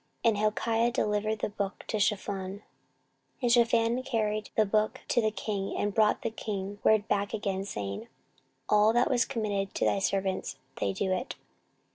And Hilkiah delivered the book to Shaphan. 14:034:016 And Shaphan carried the book to the king, and brought the king word back again, saying, All that was committed to thy servants, they do it.